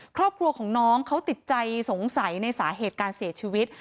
ครอบครัวของน้องเขาติดใจสงสัยในสาเหตุการเสียชีวิต